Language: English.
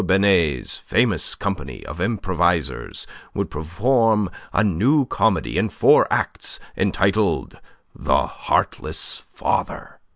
Binet's famous company of improvisers would perform a new comedy in four acts entitled, "The Heartless Father."